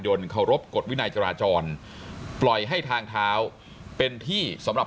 เคารพกฎวินัยจราจรปล่อยให้ทางเท้าเป็นที่สำหรับ